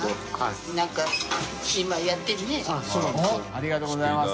ありがとうございます。